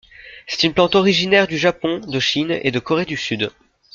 C'est une plante originaire du Japon, de Chine et de Corée du Sud.